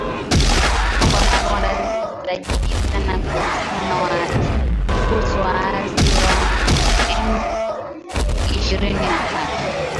Kongo na Rwanda zajibizana kuhusu waasi wa M ishirini na tatu